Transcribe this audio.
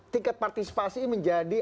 tingkat partisipasi menjadi